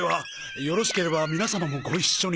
よろしければ皆様もご一緒に。